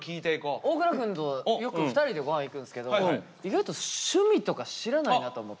大倉くんとよく２人で御飯行くんすけど意外と趣味とか知らないなと思って。